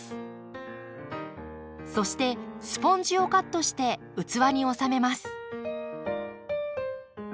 そしてスポンジをカットして器に収めます。